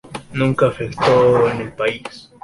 Nunca afectó en el país.